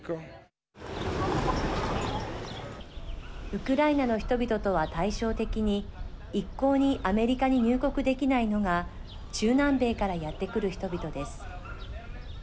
ウクライナの人々とは対照的に一向にアメリカに入国できないのが中南米からやって来る人々です。